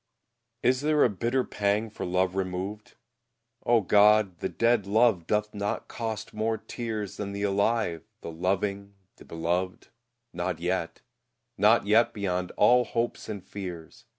] Is there a bitter pang for love removed, O God! The dead love doth not cost more tears Than the alive, the loving, the beloved Not yet, not yet beyond all hopes and fears!